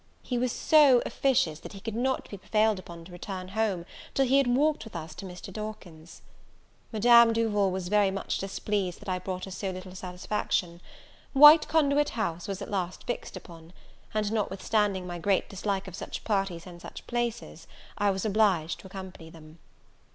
He was so officious, that he would not be prevailed upon to return home, till he had walked with us to Mr. Dawkins's. Madame Duval was very much displeased that I brought her so little satisfaction. White Conduit House was at last fixed upon; and, notwithstanding my great dislike of such parties and such places, I was obliged to accompany them.